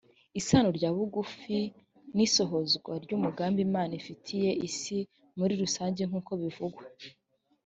isano rya bugufi n isohozwa ry umugambi imana ifitiye isi muri rusange nk uko bivugwa